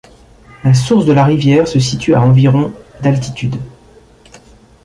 La source de la rivière se situe à environ d'altitude.